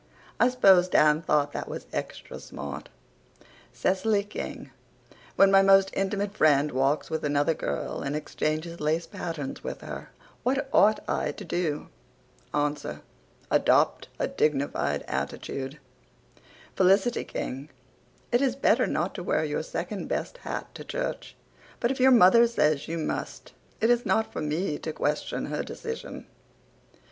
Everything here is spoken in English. I s'pose Dan thought that was extra smart.") C y K g: When my most intimate friend walks with another girl and exchanges lace patterns with her, what ought I to do? Ans. Adopt a dignified attitude. F y K g: It is better not to wear your second best hat to church, but if your mother says you must it is not for me to question her decision.